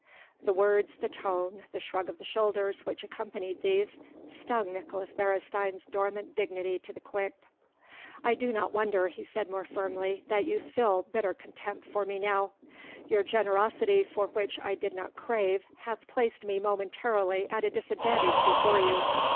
The words, the tone, the shrug of the shoulders which accompanied these, stung Nicolaes Beresteyn's dormant dignity to the quick. "I do not wonder," he said more firmly, "that you feel bitter contempt for me now. Your generosity for which I did not crave hath placed me momentarily at a disadvantage before you.